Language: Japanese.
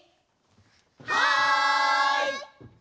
はい！